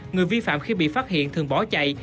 người vi phạm khi bị phát hiện thường bỏ chạy